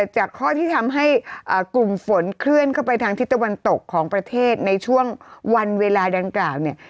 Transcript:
จากข้อที่ทำให้กลุ่มฝนเคลื่อนเข้าไปทางทิศตะวันตกของประเทศในช่วงวันเวลาดังกล่าวเนี่ย